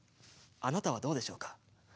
あなたはどうでしょうか？